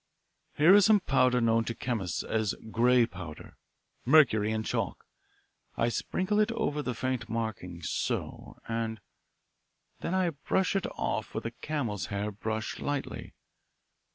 "Here is some powder known to chemists as 'grey powder' mercury and chalk. I sprinkle it over the faint markings, so, and then I brush it off with a camel's hair brush lightly.